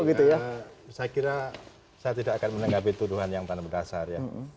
saya kira saya tidak akan menanggapi tuduhan yang paling berdasar ya